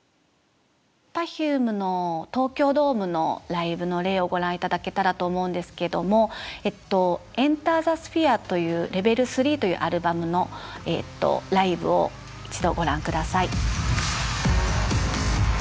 Ｐｅｒｆｕｍｅの東京ドームのライブの例をご覧頂けたらと思うんですけども「ＥｎｔｅｒｔｈｅＳｐｈｅｒｅ」という「ＬＥＶＥＬ３」というアルバムのライブを一度ご覧下さい。